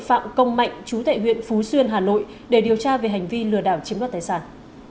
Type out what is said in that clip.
phạm công mạnh chú tại huyện phú xuyên hà nội để điều tra về hành vi lừa đảo chiếm đoạt tài sản